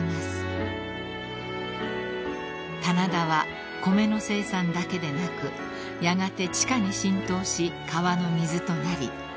［棚田は米の生産だけでなくやがて地下に浸透し川の水となりこの地を潤す］